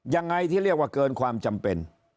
ยังไงที่เรียกว่าเกินความจำเป็น